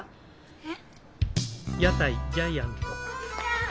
えっ？